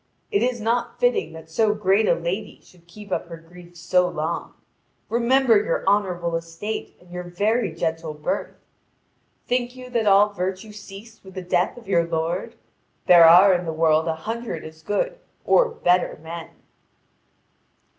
It is not fitting that so great a lady should keep up her grief so long. Remember your honourable estate and your very gentle birth! Think you that all virtue ceased with the death of your lord? There are in the world a hundred as good or better men."